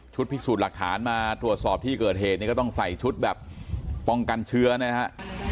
พิสูจน์หลักฐานมาตรวจสอบที่เกิดเหตุนี่ก็ต้องใส่ชุดแบบป้องกันเชื้อนะฮะ